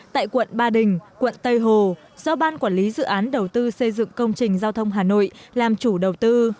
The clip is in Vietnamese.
tại quận ba đình quận tây hồ do ban quản lý dự án đầu tư xây dựng công trình giao thông hà nội làm chủ đầu tư